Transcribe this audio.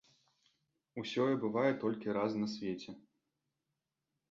Усё бывае толькі раз на свеце.